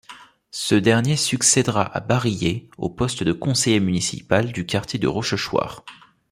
Ce dernier succèdera à Barillier au poste de conseiller municipal du quartier de Rochechouart.